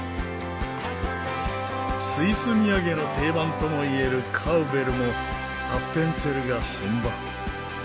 スイス土産の定番ともいえるカウベルもアッペンツェルが本場。